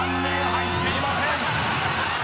入っていません］